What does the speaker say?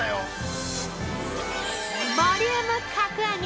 ◆ボリューム格上げ！